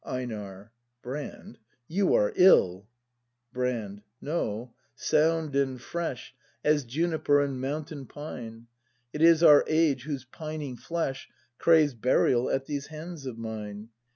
Einar. Brand, vou are ill I Brand. No, sound and fresh As juniper and mountain pine! It is our age whose pining flesh Craves burial at these hands of mine.